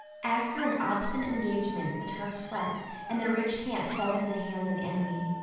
After an obstinate engagement the Turks fled, and their rich camp fell into the hands of the enemy.